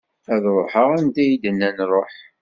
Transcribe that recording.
Ad ruḥeɣ anda i yi-d-nnan ruḥ.